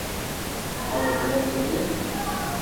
او روز گھرو نيڪرين